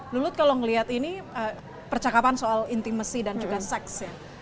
lulut kalau melihat ini percakapan soal intimacy dan juga seks ya